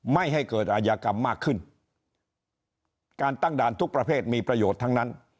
ไม่ให้เกิดอายกรรมมากขึ้นการตั้งด่านทุกประเภทมีประโยชน์ทั้งนั้น